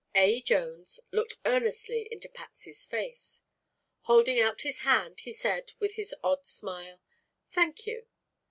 A. Jones looked earnestly into Patsy's face. Holding out his hand he said with his odd smile: "Thank you."